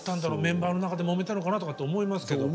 メンバーの中でもめたのかなとかって思いますけど。